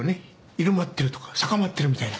入間ってるとか坂間ってるみたいな。